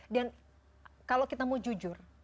dan kalau kita mau jujur